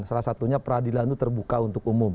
salah satunya peradilan itu terbuka untuk umum